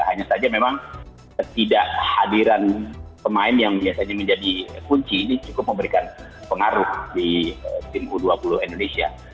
hanya saja memang ketidakhadiran pemain yang biasanya menjadi kunci ini cukup memberikan pengaruh di tim u dua puluh indonesia